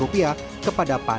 kurulama komite sudah ditempuhkan